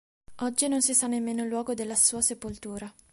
Oggi non si sa nemmeno il luogo della sua sepoltura.